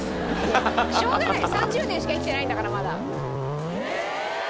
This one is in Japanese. しょうがない３０年しか生きてないんだからまだ。